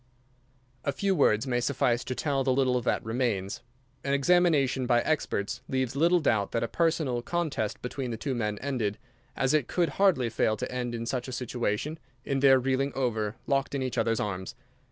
A few words may suffice to tell the little that remains. An examination by experts leaves little doubt that a personal contest between the two men ended, as it could hardly fail to end in such a situation, in their reeling over, locked in each other's arms.